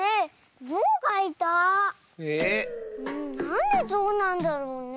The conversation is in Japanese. なんでぞうなんだろうね？